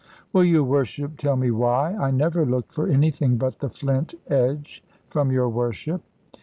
"Will your Worship tell me why? I never looked for anything but the flint edge from your Worship."